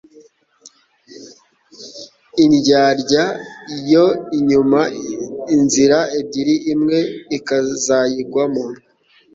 indyarya yo inyura inzira ebyiri imwe ikazayigwamo